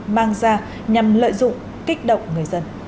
mang ra nhằm lợi dụng kích động người dân